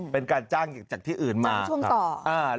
เป็นการจ้างจากที่อื่นมาช่วงต่อ